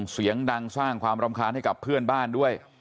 เสียงดังสร้างความรำคาญให้กับเพื่อนบ้านด้วย